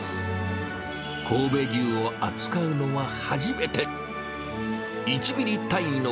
神戸牛を扱うのは初めて。